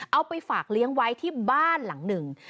เอาไปฝากเลี้ยงไว้ที่บ้านหลังหนึ่ง